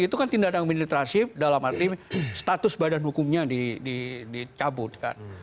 itu kan tindakan administrasi dalam arti status badan hukumnya dicabutkan